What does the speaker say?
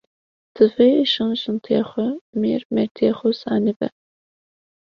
Divê jin jintiya xwe, mêr mêrtiya xwe zanî be